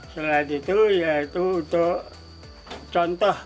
selain itu ya itu untuk contoh